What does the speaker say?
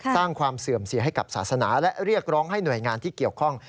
สร้างความเสื่อมเสียให้กับศาสนาและเรียกร้องให้หน่วยงานที่เกี่ยวข้อง